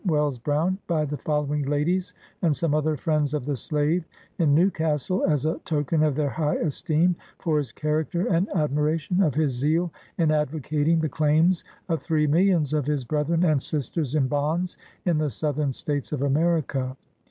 Wells Brown by the following ladies and some other friends of the slave in Newcastle, as a token of their high esteem for his character and admiration of his zeal in advocating the claims of three millions of his brethren and sisters in bonds in the Southern States of America.